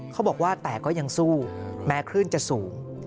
เขาบอกว่าแต่ก็ยังสู้แม้คลื่นจะสูง